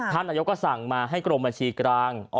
นายกก็สั่งมาให้กรมบัญชีกลาง